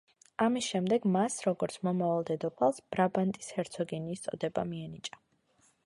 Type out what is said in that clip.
ამის შემდეგ მას, როგორც მომავალ დედოფალს ბრაბანტის ჰერცოგინიის წოდება მიენიჭა.